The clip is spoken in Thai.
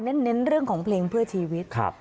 เน้นเรื่องของเพลงเพื่อชีวิต